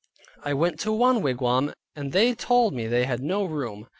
I went to one wigwam, and they told me they had no room.